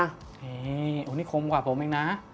อันนี้คมกว่าผมเองนะ